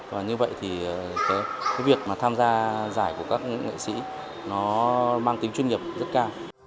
và như vậy thì cái việc mà tham gia giải của các nghệ sĩ nó mang tính chuyên nghiệp rất cao